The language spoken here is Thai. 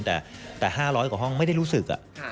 แต่๕๐๐กว่าห้องไม่ได้รู้สึก